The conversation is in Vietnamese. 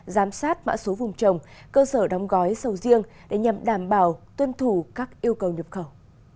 giám sát mã số vùng trồng cơ sở đóng gói sầu riêng để nhằm đảm bảo tuân thủ các yêu cầu nhập khẩu